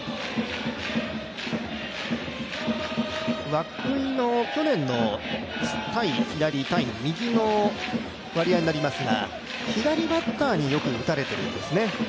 涌井の去年の対左、対右の割合になりますが、左バッターによく打たれてるんですね。